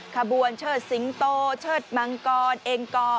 ขบวนเชิดสิงโตเชิดมังกรเองกอ